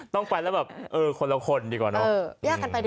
ต้องไปแล้วแบบเออคนละคนดีกว่าเนอะ